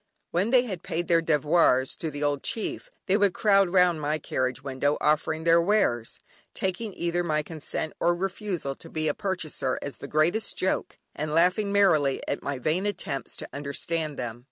When they had paid their devoirs to the old chief, they would crowd round my carriage window offering their wares, taking either my consent or refusal to be a purchaser as the greatest joke, and laughing merrily at my vain attempts to understand them.